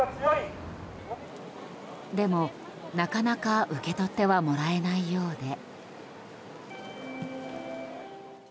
でも、なかなか受け取ってはもらえないようで。